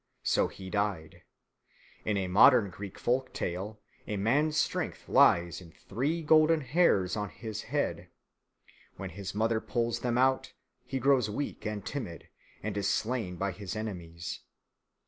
So he died. In a modern Greek folk tale a man's strength lies in three golden hairs on his head. When his mother pulls them out, he grows weak and timid and is slain by his enemies.